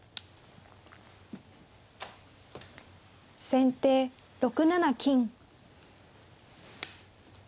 先手６七金。